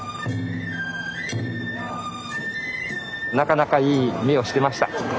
なかなかいい目をしてました。